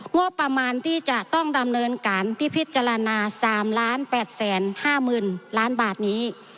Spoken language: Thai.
งบประมาณที่จะต้องดำเนินการพิจารณา๓๘๕๐๐๐ล้านบาทนี้